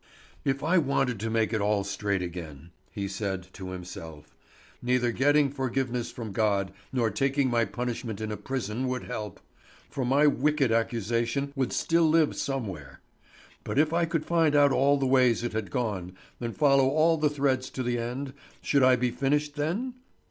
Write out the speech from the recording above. "If I wanted to make it all straight again," he said to himself, "neither getting forgiveness from God nor taking my punishment in a prison would help, for my wicked accusation would still live somewhere. But if I could find out all the ways it had gone, and follow all the threads to the end, should I be finished then?